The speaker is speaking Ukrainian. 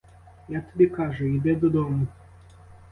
Я тобі кажу — іди додому.